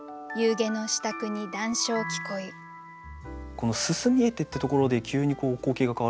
この「煤見えて」ってところで急に光景が変わるんですよね。